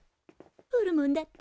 ホルモンだって。